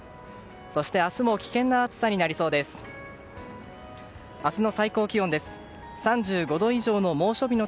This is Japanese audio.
そして明日も危険な暑さになりそうです。